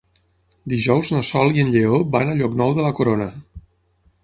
Dijous na Sol i en Lleó van a Llocnou de la Corona.